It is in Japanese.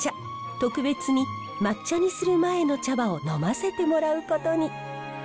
特別に抹茶にする前の茶葉を飲ませてもらうことに。